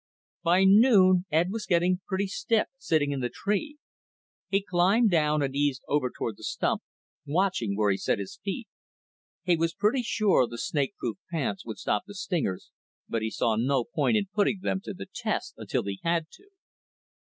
By noon, Ed was getting pretty stiff sitting in the tree. He climbed down and eased over toward the stump, watching where he set his feet. He was pretty sure the snakeproof pants would stop the stingers, but he saw no point in putting them to the test until he had to.